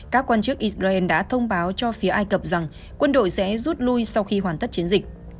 các quan chức israel đã thông báo cho phía ai cập rằng quân đội sẽ rút lui sau khi hoàn tất chiến dịch